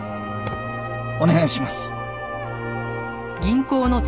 お願いします！